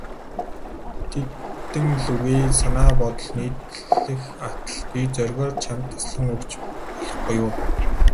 Тэдэн лүгээ санаа бодол нийлэх атал, би зоригоор чамд таслан өгч болох буюу.